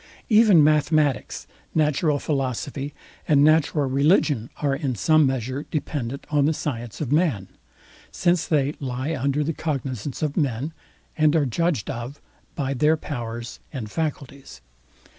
Even. Mathematics, Natural Philosophy, and Natural Religion, are in some measure dependent on the science of MAN; since they lie under the cognizance of men, and are judged of by their powers and faculties.